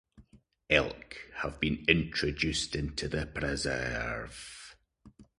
Elk have been introduced into the preserve.